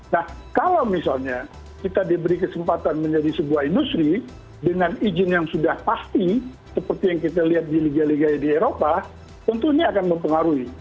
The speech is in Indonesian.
nah kalau misalnya kita diberi kesempatan menjadi sebuah industri dengan izin yang sudah pasti seperti yang kita lihat di liga liga di eropa tentu ini akan mempengaruhi